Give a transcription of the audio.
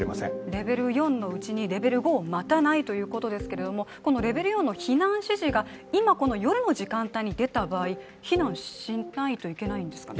レベル４のうちにレベル５を待たないということですけれども、このレベル４の避難指示が今の夜の時間帯に出た場合避難しないといけないんですかね？